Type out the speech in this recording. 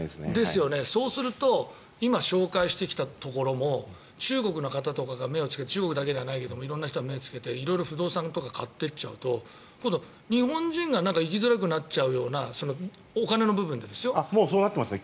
そうすると今紹介してきたところも中国の方とかが目をつけて中国だけじゃないけど色んな人が目をつけて色々、不動産とか買っちゃうと日本人が行きづらくなっちゃうようなもうそうなってますね。